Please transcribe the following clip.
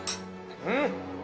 うん！